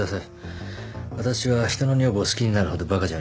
私は人の女房を好きになるほどバカじゃありません。